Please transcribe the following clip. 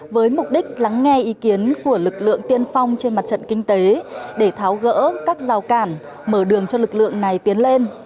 với mục đích lắng nghe ý kiến của lực lượng tiên phong trên mặt trận kinh tế để tháo gỡ các rào cản mở đường cho lực lượng này tiến lên